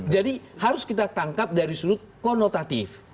jadi harus kita tangkap dari sudut konotatif